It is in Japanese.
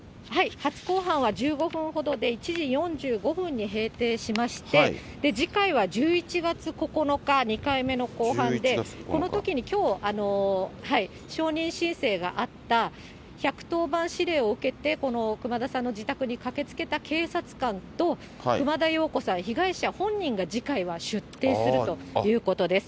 初公判は１５分ほどで、１時４５分に閉廷しまして、次回は１１月９日、２回目の公判で、このときに、きょう証人申請があった１１０番指令を受けてこの熊田さんの自宅に駆けつけた警察官と、熊田曜子さん、被害者本人が次回は出廷するということです。